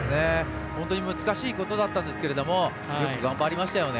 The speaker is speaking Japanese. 難しいことだったんですがよく頑張りましたよね。